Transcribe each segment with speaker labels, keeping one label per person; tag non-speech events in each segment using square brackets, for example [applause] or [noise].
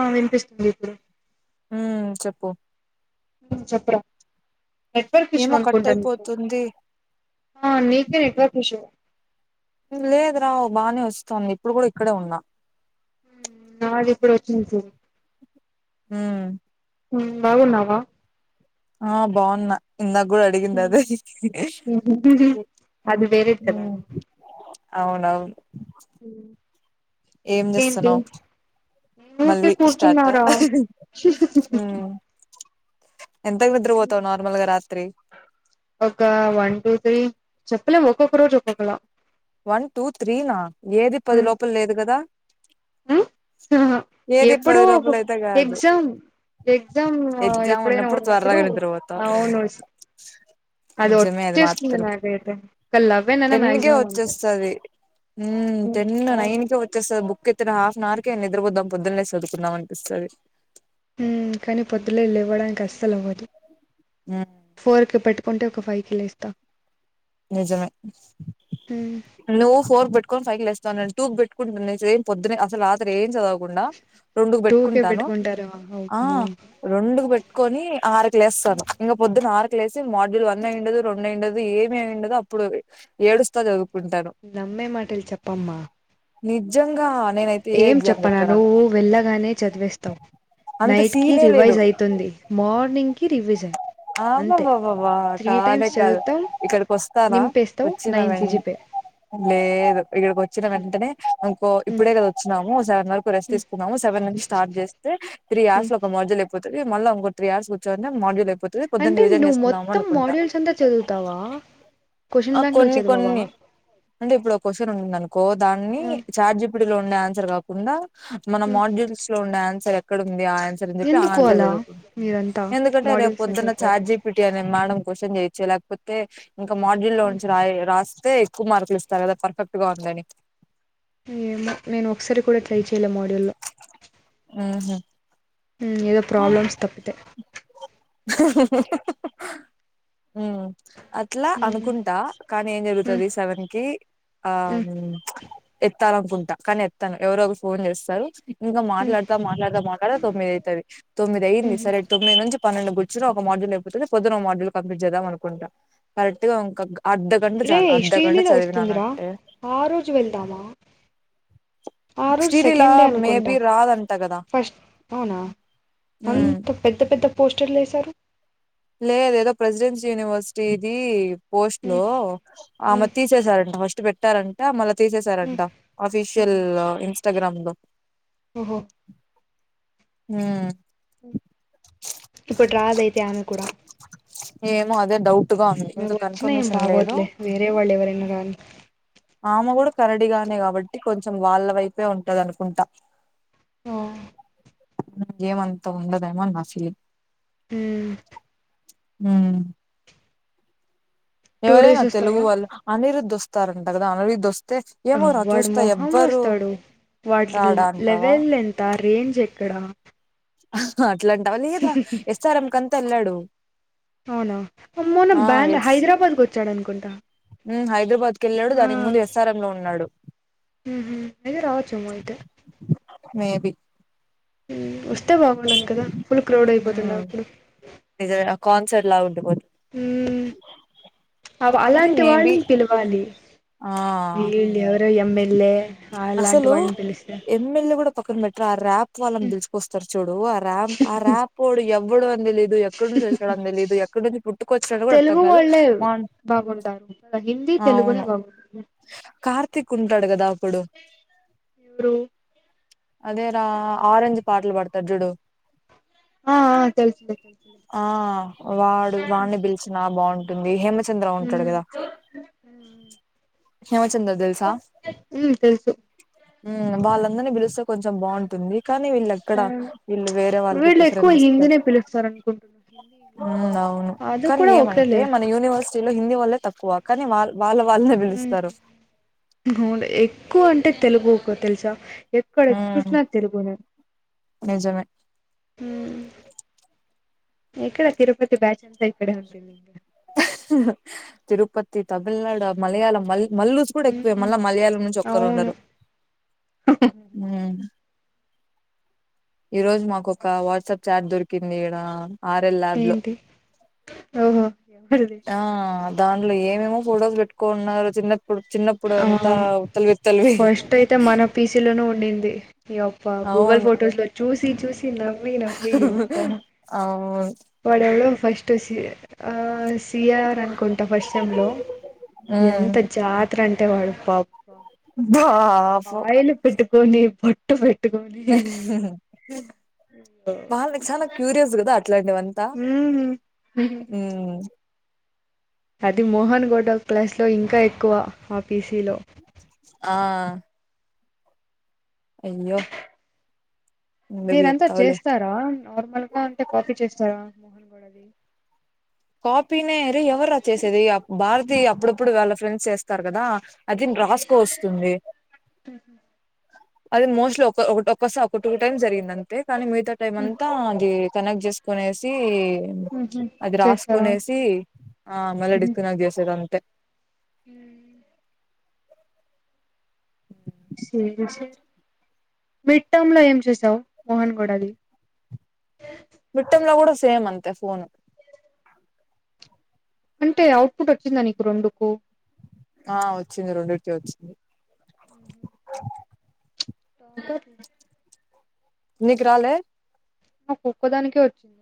Speaker 1: ఆ వినిపిస్తుంది ఇప్పుడు
Speaker 2: వూ చెప్పు
Speaker 1: ఉ చెప్పురా నెట్వర్క్ ఇష్యూ
Speaker 2: ఏమో కట్
Speaker 1: అనుకుంటా నీకు
Speaker 2: అయిపోతుంది
Speaker 1: నీకే నెట్వర్క్ ఇష్యూ
Speaker 2: లేదు రావు బాగానే వస్తాంది ఇప్పుడు కూడా ఇక్కడే ఉన్నా
Speaker 1: నాది ఇప్పుడు వచ్చింది సార్
Speaker 2: హ్మ్
Speaker 1: హ్మ్ బాగున్నావా
Speaker 2: ఆ బాగున్నా ఇందాక కూడ అడిగింది అదే
Speaker 1: హ్మ్. అది వేరేది
Speaker 2: అవునవును
Speaker 1: ఊ
Speaker 2: ఏం చేస్తున్నావు
Speaker 1: నేను ఊరికే
Speaker 2: మళ్ళీ స్టార్ట్
Speaker 1: కూర్చున్నారా
Speaker 2: ఆ ఎంతకు నిద్రపోతావు నార్మల్ గా రాత్రి
Speaker 1: ఒక వన్ టూ త్రీ చెప్పలేం ఒక్కొక్క రోజు ఒక్కొక్కలా
Speaker 2: వన్ టూ త్రీ నా ఏది పది లోపల లేదు కదా
Speaker 1: ఉమ్
Speaker 2: ఏది
Speaker 1: ఎప్పుడో
Speaker 2: పది
Speaker 1: ఒక
Speaker 2: లోపల అయితే కాదు
Speaker 1: ఎగ్జామ్ ఎగ్జామ్
Speaker 2: ఎగ్జామ్
Speaker 1: ఎప్పుడైనా ఉన్నప్పుడు
Speaker 2: త్వరగా నిద్రపోతావు
Speaker 1: అవున అది
Speaker 2: నిజమే
Speaker 1: వచ్చేస్తుంది
Speaker 2: మాత్రం
Speaker 1: నాకైతే ఒక లెవెన్ అయినా
Speaker 2: టెన్ కే
Speaker 1: మాక్సిమం అంతే
Speaker 2: వచ్చేస్తది ఉమ్ టెన్
Speaker 1: అవును
Speaker 2: నైన్ కే వచ్చేస్తది బుక్ అయితే నా హాఫ్ అన్ అవర్ కే నిద్రపోదాం పొద్దునలేసి చదువుకుందాం అనిపిస్తుంది
Speaker 1: ఉమ్ కానీ పొద్దున్నే లేవడానికి అస్సలు అవ్వదు
Speaker 2: ఉమ్
Speaker 1: ఫోర్ కి పెట్టుకుంటే ఒక ఫైవ్ కి లే ఇస్తా
Speaker 2: నిజమే
Speaker 1: ఉమ్
Speaker 2: నువ్వు ఫోర్ కి పెట్టుకుంటే ఫైవ్ కి లేస్తావ్ నేను టూకి పెట్టుకునీ [unintelligible] అసలు రాత్రి ఏం చదువను కుండ రెండుకు
Speaker 1: టూ కే
Speaker 2: పెట్టుకుంటాను
Speaker 1: పెట్టుకుంటారా
Speaker 2: ఆ
Speaker 1: అమ్మా
Speaker 2: రెండుకు పెట్టుకొని ఆరుకు లేస్తాను ఇంకా పొద్దున్న ఆరు సిక్స్ లేసి మాడ్యూల్ అయ్యిండదు రెండు అయ్యిండదు ఏ ఏం ఉండదు అప్పుడు ఏడుస్తా చదువు
Speaker 1: నమ్మే మాటలు చెప్పమ్మా
Speaker 2: నీద్
Speaker 1: ఏం చెప్పనా నువ్వు వెళ్ళగానే చదివేస్తావు.
Speaker 2: అంత
Speaker 1: నైట్ కి
Speaker 2: సీనే లేదు
Speaker 1: రివైజ్ అయితుంది. మార్నింగ్ కి రివిజన్
Speaker 2: ఆ బ
Speaker 1: అంతే
Speaker 2: బబబ
Speaker 1: త్రీ
Speaker 2: కాదే
Speaker 1: టైమ్స్
Speaker 2: కాదు
Speaker 1: చదువుతావు
Speaker 2: ఇక్కడికి వస్తానా
Speaker 1: నింపేస్తావు
Speaker 2: వచ్చిన
Speaker 1: నైన్
Speaker 2: వె
Speaker 1: సిజిపే
Speaker 2: లేదు ఇక్కడికి వచ్చిన వెంటనే క్కో
Speaker 1: ఉమ్
Speaker 2: ఇప్పుడే కదా వచ్చినాం. సెవెన్ వరకు రెస్ట్
Speaker 1: ఉమ్
Speaker 2: తీసుకున్నాము. సెవెన్ నుంచి స్టార్ట్ చేస్తే త్రీ అవర్స్
Speaker 1: ఉమ్
Speaker 2: లో ఒక మాడ్యూల్ అయిపోతాది మళ్ళా ఇంకా ఒక త్రీవర్స్ కూర్చుంటే మాడ్యుల్ అయిపోతాది పొద్దున
Speaker 1: అంటే
Speaker 2: రివిజన్
Speaker 1: నువ్వు
Speaker 2: చేసుకుందాము
Speaker 1: మొత్తం
Speaker 2: అనుకుంటా
Speaker 1: మాడ్యూల్స్ అంతా చదువుతావా
Speaker 2: ఆ
Speaker 1: క్వశ్చన్ బ్యాంకులు
Speaker 2: కొన్ని
Speaker 1: చదవవా
Speaker 2: కొన్ని అంటే ఇప్పుడు ఒక క్వశ్చన్ ఉంది అనుకో దాన్ని చాట్జీపిటి ఇప్పుడిలో ఉండే ఆన్సర్ కాకుండా మన మాడ్యూల్స్ లో ఉండే ఆన్సర్ సర్ ఎక్కడ ఉంది ఆ ఆన్సర్ అని చెప్పి ఆ
Speaker 1: ఎందుకు అలా మీరంతా మాడ్యూల్
Speaker 2: పొద్దున చాట్జీపీటి అనే మేడం క్వశ్చాన్ చేయొచ్చు లేకపోతే ఇంకా మాడ్యూల్ లో ఉంచి రాయి రా రాసి అయితే ఎక్కువ మార్కులు ఇస్తారు కదా పర్ఫెక్ట్ గా ఉందని
Speaker 1: ఏమో నేను ఒకసారి కూడా ట్రై చేయలే మాడ్యూల్లో
Speaker 2: ఉహూ
Speaker 1: ఏదో ప్రాబ్లమ్స్ తప్పితే
Speaker 2: ఉమ్ అట్లా అనుకుంటా కానీ ఏం జరుగుతది సెవెన్ కి ఆ ఎత్తాలనుకుంటా కానీ ఎత్తను ఎవరో ఒకరు ఫోన్ జేస్తరు ఇంకా మాట్లాడతా మాట్లాడతా మాట్లాడతా తొమ్మిది అయితది తొమ్మిది అయింది సరే తొమ్మిది నుంచి పన్నెండు కూర్చోని ఒక మోడ్యూల్ అయిపోతుంది. పొద్దున్న మోడ్యల్ కంప్లీట్ చేద్దాం అనుకుంటా కరెక్ట్ గా ఇంక అర్ధగంట చాలు
Speaker 1: రేయ్
Speaker 2: అర్ధగంట
Speaker 1: శ్రీలీల ఒస్తుందిరా
Speaker 2: చదివినానంటే
Speaker 1: ఆ రోజు వెళ్దామా ఆ రోజు
Speaker 2: శ్రీలీలా
Speaker 1: సెకండ్ డే అనుకుంటా
Speaker 2: మేబి రాదంట కదా
Speaker 1: ఫస్ట్ అవునా
Speaker 2: ఉమ్
Speaker 1: అంత పెద్ద పెద్ద పోస్టర్లు ఏసారు [inaudible]
Speaker 2: లేద ఏదో ప్రెసిడెన్సి యూనివర్సిటీ ఇది పోస్ట్ లో ఆమె తీసేసారంట ఫస్ట్ ఇ పెట్టారంట మళ తీసేసారంట అఫిషియల్ ఇన్స్టాగ్రామ్ బ
Speaker 1: ఓహో
Speaker 2: ఊ
Speaker 1: కుడ
Speaker 2: ఏమో అదే డౌట్ గా ఉంది ఇంకా
Speaker 1: వచ్చినా ఏం
Speaker 2: కన్ఫర్మేషన్ లేదు
Speaker 1: బాగోద్దులే వేరే వాళ్ళు ఎవరైనా రాని
Speaker 2: ఆమె కూడా కరడిగానే కాబట్టి కొంచెం వాళ్ళ వైపే ఉంటది అనుకుంటా
Speaker 1: ఆ
Speaker 2: ఏమంత ఉండదా ఏమో అని నా ఫీ
Speaker 1: ఊ
Speaker 2: ఊ
Speaker 1: టూ
Speaker 2: ఎవరేనా
Speaker 1: డేస్
Speaker 2: తెలుగు
Speaker 1: వస్తారా
Speaker 2: వాల్ అనిరుద్దు వస్తారంట గద అనీరిదోస్
Speaker 1: ఆ వాడు మొహం వస్తాడు వాటి
Speaker 2: రాడా అంటావా
Speaker 1: లెవెల్ ఎంత రేంజ్ ఎక్కడ
Speaker 2: [unintelligible] ఇట్లాంటవ లేదా ఎస్ఆర్ఎం కం తెల్లడు
Speaker 1: అవునా అ మొన బ్యాంగ్
Speaker 2: ఎస్
Speaker 1: హైదరాబాద్ కు ఒచ్చాడ అనుకుంటా
Speaker 2: ఉమ్ హైదరాబాద్ కి వెళ్ళాడు
Speaker 1: ఆ
Speaker 2: దానికి ముందు ఎస్ఆర్ఎం లో ఉన్నాడు
Speaker 1: అయితే రావచ్చ అమ్మో అయితే
Speaker 2: మేబి
Speaker 1: ఒస్తే బాగుండును కద ఫుల్ క్రౌడ్ అయిపోతుంది
Speaker 2: ఉమ్
Speaker 1: అప్పుడు
Speaker 2: నిజమే ఆ కాన్సర్ట్ లా ఉండిపోదు
Speaker 1: ఊ అవ
Speaker 2: కానీ
Speaker 1: అలాంటి
Speaker 2: మేబి
Speaker 1: వాళ్ళని పిలవాలి
Speaker 2: ఆ
Speaker 1: వీళ్ళు ఎవరో ఎమ్మెల్యే అలాంటి
Speaker 2: అసలు
Speaker 1: వాళ్ళని పిలుస్తా
Speaker 2: ఎమ్మెల్యే కూడా పక్కన బెట్ర ఆ ర్యాప్ ట్ల ఆళ్ళని పిలుచుకొస్తారు చూడు ఆ ర్యాంప్ ఆ రాపోడు ఎవ బొడువని నేలేదు ఎక్కడి నుంచి వచ్చినాడో అని తెలిదు ఎక్కడి నుంచి పుట్టుకొచ్చాడు కూడా అర్థం
Speaker 1: తెలుగు
Speaker 2: కాదు
Speaker 1: వాళ్ళే
Speaker 2: అవును
Speaker 1: బాగుంటారు కదా హిందీ తెలుగునే బాగుంటుంది
Speaker 2: కార్తిక్ ఉంటాడు కదా అప్పుడు
Speaker 1: ఎవరు
Speaker 2: అదే రా ఆరెంజ్ పాటలు పడుతాడు చూడు
Speaker 1: ఆ, ఆ, తెలుసులే తెలుసులే
Speaker 2: ఆ వాడు వాడిని పిలిచిన బాగుం తుంది హేమ చంద్ర ఉంటడు
Speaker 1: మ్మ్.
Speaker 2: కదా హేమ చంద్ర దేలుసా
Speaker 1: ఉ తెలుసు
Speaker 2: హ్మ్ వాళ్లందరినీ పిలుస్తే కొంచెం బాగుంటుంది కానీ వీళ్ళు ఎక్కడ
Speaker 1: అవును
Speaker 2: వీళ్ళు వేరే వాళ్ళకి
Speaker 1: వీళ్ళు ఎక్కువ
Speaker 2: ప్రిఫరెన్స్ ఇస్తారు
Speaker 1: హిందీనే పిలుస్తారు అనుకుంటున్నా
Speaker 2: హ్మ్ అవును
Speaker 1: అది
Speaker 2: కానీ
Speaker 1: కూడా
Speaker 2: ఏమంటే
Speaker 1: ఓకేలే
Speaker 2: మన యూనివర్స్ చలో హిందీ వాళ్లే తక్కువ కానీ వా వాళ్ళ వాళ్ళు
Speaker 1: హ్మ్ అవును ఎక్కువ అంటే తెలుగు ఒకరు తెలుసా ఎక్కడ
Speaker 2: ఉమ్
Speaker 1: చూసినా తెలుగునే
Speaker 2: నిజమే
Speaker 1: హ్మ్ ఇక్కడ తిరుపతి బ్యాచ్ అంతా ఇక్కడే ఉంటుంది ఇంకా
Speaker 2: తిరుపతి తమిళనాడు మలయాళం మళ్ల్ మల్లూస్ కూడా ఎక్కువే మళ్ళా మలయాళం నుంచి ఒక్కరు
Speaker 1: అవును
Speaker 2: ఉండరు హ్మ్ ఈ రోజు మాకొక వాట్సాప్ చాట్ దొరికింది ఇడ
Speaker 1: ఏంటి ఓహో ఎవరిది
Speaker 2: ఆ దాంట్లో ఏమేమో ఫొటోస్ పెట్టుకోనున్నారు చిన్న
Speaker 1: ఆ ఫస్ట్ అయితే మన పీసీలోనే ఉండిం ది నీ ఓప్ప గూగుల్ ఫొటోస్ లో చూసి చూసి నవ్వి
Speaker 2: అవున్
Speaker 1: వాళ్ళలో ఫస్ట్ అసి ఆ సిఆర్ అనుకుంటా ఫస్ట్ సేమ్ లో ఎంత
Speaker 2: ఉమ్
Speaker 1: జారి తరంటే వాడు పాప్
Speaker 2: బాబు
Speaker 1: ఆయిల్ పెట్టుకొని పట్ టుఫి
Speaker 2: హ్మ్ బాల్ నీకు చానా క్యూరియస్ గదా ఇట్లాంటివంతా హ్మ్
Speaker 1: అది మోహన్ గొడల్ క్లాస్ లో ఇంకా ఎక్కువ ఆ పీసీలో
Speaker 2: ఆ అయ్యో ఎందుకు
Speaker 1: మీరంతా
Speaker 2: చెప్తావులే
Speaker 1: చేస్తారా నార్మల్ గా ఉంటే కాపీ చేస్తారా మోహన్ గొడలీ
Speaker 2: కాపీ నే ఎవరు రా చేసేది ఆ భారత్ ది అప్పుడప్పుడు వాళ్ళ ఫ్రెండ్స్ చేస్తారు కదా అది రాసుకు వస్తుంది అది మోస్ట్లీ ఒక్క ఒక్కసార ఒక టూ టైమ్స్ జరిగిందండి కానీ మిగతా టైమ్ అంతా అది కనెక్ట్ చేసుకునేసి
Speaker 1: చేట్
Speaker 2: పునేసి ఆ మల్ల డిష్ కనెక్ట్ చేసి దే అం స
Speaker 1: మిడ్ టర్మ్ లో ఏం చేసావు మోహన్ గౌడది
Speaker 2: మిట్టం లో కూడా సేమ్ అంతే ఫోన్
Speaker 1: అంటే ఔటపుట్ వచ్చిందా నీకు రెండుకు
Speaker 2: ఆ వచ్చింది రెండింటికి వచ్చింది
Speaker 1: ఆ
Speaker 2: నీకు రాలే
Speaker 1: నాకు ఒక్కదానికే వచ్చింది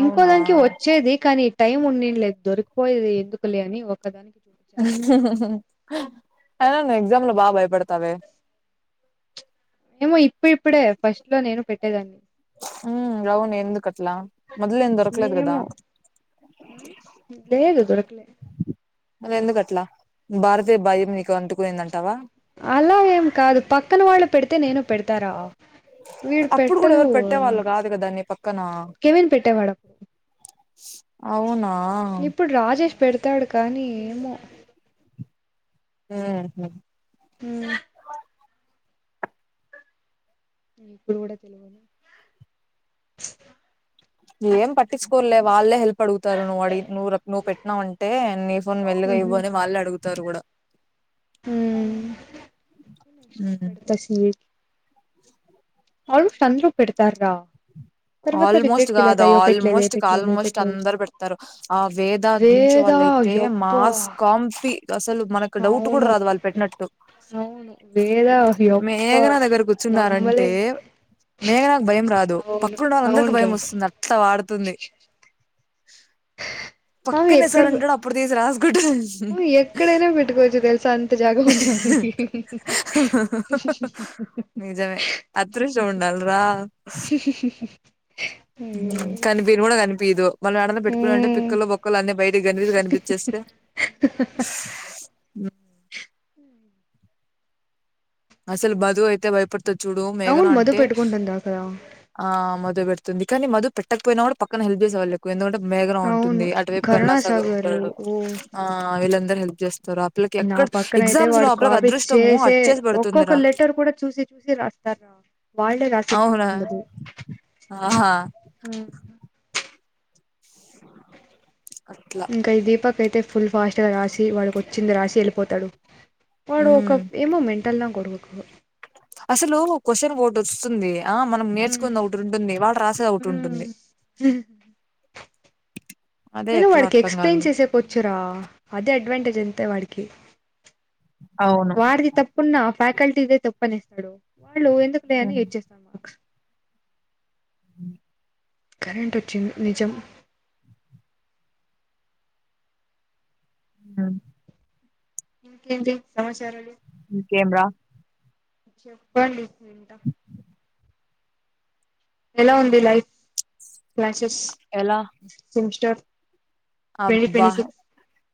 Speaker 1: ఇంకో
Speaker 2: అవునా
Speaker 1: దానికి వచ్చేది కానీ టైం ఉండింది లేదు దొరికిపోయేది ఎందుకులే అని ఒక
Speaker 2: ఆమే ఎగ్జామ్ లో బాగ బయపడు పడతావే
Speaker 1: ఏమో ఇప్పు ఇప్పుడే ఫస్ట్ లో నేను పెట్టేదాన్ని
Speaker 2: హు అవును ఎందు కట్లా మధ్యలో ఏం దొరకలేదు గదా
Speaker 1: ఏమో ఉమ్, లేదు దొరకలే
Speaker 2: ఎందుకట్లా భారతీయ భయం నీకు అంటుకు పో యిందంట
Speaker 1: అలా ఏం కాదు పక్కన వాళ్ళు పెడితే నేను పెడతారా వీడు
Speaker 2: అప్పుడు కూడా
Speaker 1: పెట్టదు
Speaker 2: ఎవరు పెట్టే వాళ్ళు కాదు కదా నీ పక్కన
Speaker 1: కెవిన్ పెట్టేవాడు
Speaker 2: అవునా
Speaker 1: ఇప్పుడు రాజేష్ పెడతాడు కానీ ఏమో
Speaker 2: హమ్
Speaker 1: హమ్ ఇప్పుడు కూడా తెలివదు
Speaker 2: ఏం పట్టించుకోర్లే వాళ్ళే హెల్ప్ అడుగుతారు నువ్వుడిగి నువ్ నువ్వు పెట్టినావు అంటే నీ ఫోన్ మెల్లిగా ఇవ్వు అని వాళ్ళే అడుగు తారు కూడా
Speaker 1: హు
Speaker 2: ఉమ్
Speaker 1: ఉ ఇడ స [inaudible] అళు చంద్రూ పెడతారు రా [inaudible]
Speaker 2: ఆల్మోస్ట్ కాదు ఆల్మోస్ట్
Speaker 1: పెట్టలేదే
Speaker 2: ఆల్మోస్ట్
Speaker 1: పెట్టలేదే
Speaker 2: అందరు పెడతారు ఆ వేదాకించు
Speaker 1: వేద
Speaker 2: వాళ్ళయితే
Speaker 1: యబ్బా
Speaker 2: మాస్ కాంఫి మనకు డౌట్ కూడా
Speaker 1: అవును
Speaker 2: రాదు వాళ్ళు పెట్టినట్టు
Speaker 1: అవును వేద యబ్బా
Speaker 2: మేఘనా దగ్గర కూర్చున్నారాంటే
Speaker 1: నమ్మలేన్
Speaker 2: మేఘనాకు భయం కాదు పక్క
Speaker 1: అవును
Speaker 2: ఉన్న వాళ్ళందరికి భయం
Speaker 1: అవున్రా
Speaker 2: వస్తుంది అట్లా వాడుతుంది అ పక్కనే సార్ ఉంటాడు అప్పుడు తీసి రాజ
Speaker 1: నువ్ ఎక్కడైనా పెట్టుకోవచ్చు తెలుసా అంత జాగ ఉంది ఆమెకి
Speaker 2: నిజమే అదృష్టం ఉండాలిరా మళ్ మడ పెట్టుకుే [inaudible] ముక్కలు బొక్కలు అనీ బయటకి గలిజ్ కనిపిచ్చేస్తే ఉ అసలు బధు అయితే భయపడుతు త్త చూడు మేఘన
Speaker 1: అవును మధు
Speaker 2: అంటే
Speaker 1: పెట్టుకుంటుందా కదా
Speaker 2: ఆ మొదప ంది కానీ మధ పెట్టకపోయినా కూడా పక్కన హెల్ప్ చేసేవాళ్ళు ఎక్కువ [inaudible] మేగన
Speaker 1: అవును
Speaker 2: ఉంటుంది అటువైపు కణసగర్
Speaker 1: కరుణాసాగరు
Speaker 2: ఉంటాడు
Speaker 1: ఓ
Speaker 2: ఆ వీళ్ళందరరు హెల్ అపిల్లకి
Speaker 1: నా
Speaker 2: ఎక్కడ
Speaker 1: పక్కన అయితే
Speaker 2: ఎగ్జామ్స్ లో
Speaker 1: వాడు
Speaker 2: అపిల్లకి
Speaker 1: కాపీ
Speaker 2: అదృష్టము
Speaker 1: చేసే
Speaker 2: అచివేసి పడుతు
Speaker 1: ఒక్కొక్క లెటర్ కూడా చూసి చూసి రాస్తార వాళ్ళే రాసే
Speaker 2: అవునా?
Speaker 1: టైమ్ఉండదు
Speaker 2: ఆహా!
Speaker 1: ఉ కో
Speaker 2: అట్లా.
Speaker 1: ఇంకా ఈ దీపాక అయితే ఫుల్ ఫాస్ట్గా రాసి వాడికి వచ్చింది రాసి వెళ్ళిపోతాడు వాడు
Speaker 2: హ్మ్.
Speaker 1: ఒక ఏమోమెంట్ మెంటల్నా కొడుకు
Speaker 2: అసలు క్వశ్చన్ ఓటు వస్తుంది ఆ మనం
Speaker 1: ఉమ్
Speaker 2: నేర్చుకుని ఒకటి ఉంటుంది వాళ్ళ రాసేది ఒకటి
Speaker 1: ఉమ్
Speaker 2: ఉంటుంది
Speaker 1: నేను వాడికి
Speaker 2: కాదు
Speaker 1: ఎక్స్ప్లెయిన్
Speaker 2: నాకు.
Speaker 1: చేసే ప చెపోచ్చురా అదే అడ్వాంటేజ్ జంతే వాడికి
Speaker 2: అవును.
Speaker 1: వాడిది తప్పున్నా ఫ్యాకల్టీదే తప్పు ప్పనేస్తాడు వాళ్ళు ఎందుకులే అని
Speaker 2: హ్మ్.
Speaker 1: ఏచ్చేస్తాం బుక్స్
Speaker 2: మ్మ్
Speaker 1: కరెంట్ వచ్చింది నిజం
Speaker 2: మ్మ్
Speaker 1: ఇంకేంది సమాచారాలు
Speaker 2: ఇంకేంరా
Speaker 1: చెప్పండి వింటా ఎలా ఉంది లైఫ్ లైఫ చెస్
Speaker 2: ఎలా?
Speaker 1: సెమిస్టర్ ట్వంటీ
Speaker 2: అబ్బా
Speaker 1: ట్వంటీ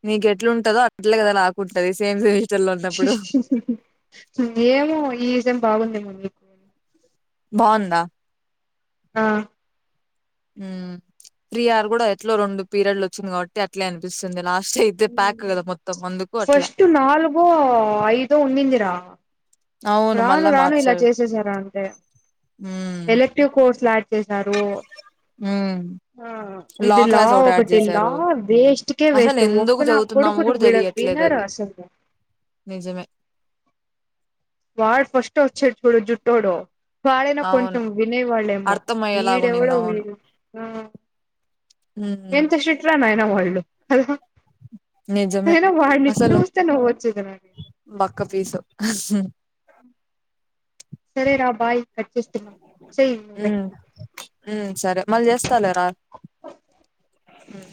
Speaker 2: నీకెట్లుంటదో అట్లనె కదా నాకుంటది సేమ్ సె
Speaker 1: ఏమో ఈ ం బాగుందేమో మీకు అని చెప్
Speaker 2: బావుందా
Speaker 1: ఆ
Speaker 2: మ్మ్ ఫియార్ కూడా ఎట్లా రెండు పీరియడ్లు వచ్చింది కాబట్టి అట్లే అనిపిస్తుంది లాస్ట్ అయితే ప్యాక్
Speaker 1: మ్మ్
Speaker 2: కదా మొత్తం అందుకు అట్లా
Speaker 1: ఫస్ట్ నాలుగో ఐదో ఉన్నీందిరా
Speaker 2: అవును
Speaker 1: రాను
Speaker 2: మళ్ళా
Speaker 1: రాను ఇలా
Speaker 2: మార్చారు
Speaker 1: చేసేసారా అంటే
Speaker 2: మ్మ్
Speaker 1: ఎలక్టివ్ కోర్స్ లా యాడ్ సెస్నారూ
Speaker 2: మ్మ్
Speaker 1: ఆ
Speaker 2: లా
Speaker 1: ఇదిలా
Speaker 2: క్లాస్ ఒకటి యాడ్
Speaker 1: ఒకటిలా
Speaker 2: చేశారు
Speaker 1: వేస్ట్కే
Speaker 2: అసలు
Speaker 1: వేస్ట్
Speaker 2: ఎందుకు
Speaker 1: ఒక్కనా
Speaker 2: చదువుతున్నాము
Speaker 1: కొడుకును
Speaker 2: కూడా
Speaker 1: మడం
Speaker 2: తెలియట్లేదు అది
Speaker 1: వినరసలు
Speaker 2: నిజమే
Speaker 1: వాళైనా కొంచెం
Speaker 2: అవును
Speaker 1: వినేవాలేమో
Speaker 2: అర్థం అయ్యేలాగా
Speaker 1: వీడు
Speaker 2: ఉన్నింది
Speaker 1: ఎవడో
Speaker 2: అవును
Speaker 1: వీడు
Speaker 2: మ్మ్
Speaker 1: ఎంత ఆ స్ట్రిక్ట్ రా నాయ్ ఇద ఒళ్ళు అల్ హా
Speaker 2: నిజమే అసలు
Speaker 1: చూస్తే నవ్వొచ్చేది నాకైతే
Speaker 2: బక్క పీసు
Speaker 1: సరేరా బాయ్ కట్ చేస్తున్నా చెయ్ నువ్వే
Speaker 2: మ్మ్ సరే మళ్ళీ చేస్తలేరా మ్మ్